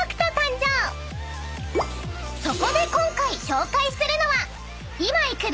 ［そこで今回紹介するのは］